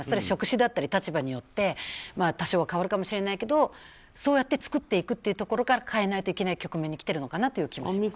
職種だったり立場によって多少は変わるかもしれないけどそうやって作っていくところから変えないといけない局面に来ているのかなと思います。